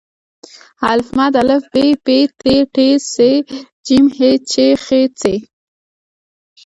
آا ب پ ت ټ ث ج ح چ خ څ